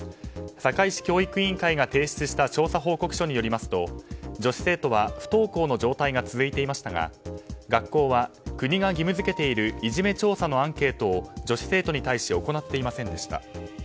堺市教育委員会が提出した調査報告書によりますと女子生徒は不登校の状態が続いていましたが学校は国が義務付けているいじめ調査のアンケートを女子生徒に対し行っていませんでした。